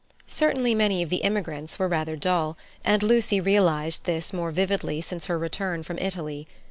Certainly many of the immigrants were rather dull, and Lucy realized this more vividly since her return from Italy.